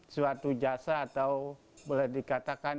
suatu jasa atau boleh dikatakan